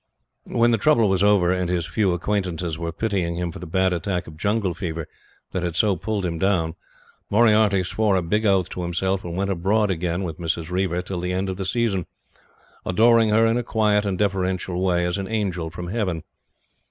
......... When the trouble was over, and his few acquaintances were pitying him for the bad attack of jungle fever that had so pulled him down, Moriarty swore a big oath to himself and went abroad again with Mrs. Reiver till the end of the season, adoring her in a quiet and deferential way as an angel from heaven.